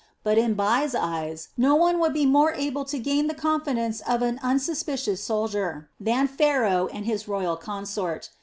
But in Bai's eyes no one would be more able to gain the confidence of an unsuspicious soldier than Pharaoh and his royal consort.